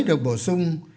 được bổ sung